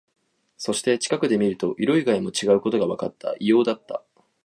そして、近くで見ると、色以外も違うことがわかった。異様だった。